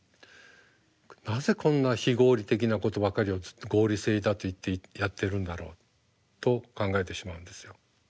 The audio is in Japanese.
なぜこんな非合理的なことばかりをずっと合理性だと言ってやってるんだろうと考えてしまうんですよ。